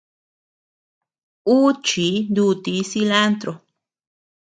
Uu chii nuutii cilantro.